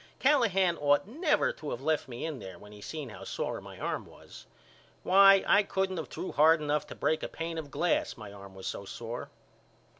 Callahan ought never to of left me in there when he seen how sore my arm was. Why, I couldn't of threw hard enough to break a pain of glass my arm was so sore.